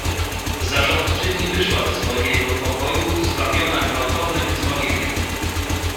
"Zarządczyni wyszła ze swojego pokoju, zwabiona gwałtownem dzwonieniem."